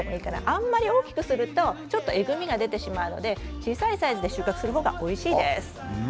あまり大きくするとえぐみが出てしまうので小さいサイズで収穫するのがおいしいです。